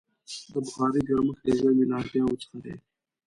د بخارۍ ګرمښت د ژمي له اړتیاوو څخه دی.